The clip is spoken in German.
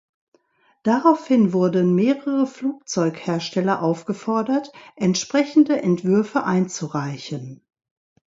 Daraufhin wurden mehrere Flugzeughersteller aufgefordert, entsprechende Entwürfe einzureichen.